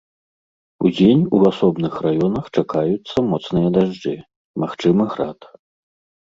Удзень у асобных раёнах чакаюцца моцныя дажджы, магчымы град.